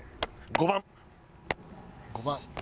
５番。